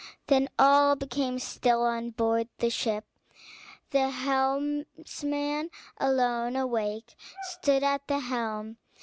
Then all became still on board the ship; the helmsman, alone awake, stood at the helm.